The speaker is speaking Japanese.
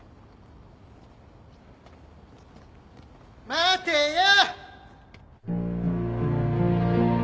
・待てよ！